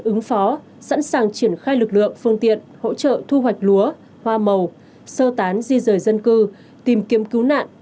ứng phó sẵn sàng triển khai lực lượng phương tiện hỗ trợ thu hoạch lúa hoa màu sơ tán di rời dân cư tìm kiếm cứu nạn